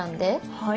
はい。